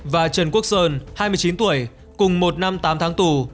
và trần quốc sơn hai mươi chín tuổi cùng một năm tám tháng tù